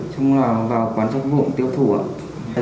xong vào quán sách vụ tiêu thủ ạ